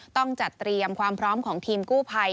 ต้องจัดเตรียมความพร้อมของทีมกู้ภัย